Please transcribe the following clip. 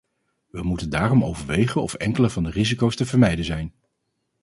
We moeten daarom overwegen of enkele van de risico's te vermijden zijn.